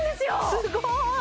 すごい！